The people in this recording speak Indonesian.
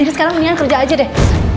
sekarang mendingan kerja aja deh